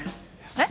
「えっ？」